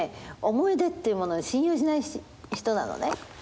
思い出っていうものを信用しない人なのね。